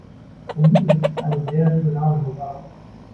Vermutlich ist es eine sehr regionale Mundart.